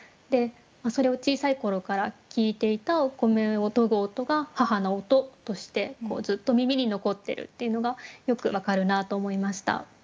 それを小さい頃から聞いていたお米をとぐ音が「母の音」としてずっと耳に残ってるっていうのがよく分かるなと思いました。